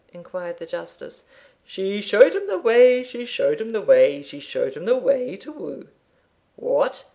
inquired the Justice "She showed him the way, she showed him the way, She showed him the way to woo. What!